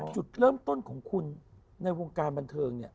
จุดเริ่มต้นของคุณในวงการบันเทิงเนี่ย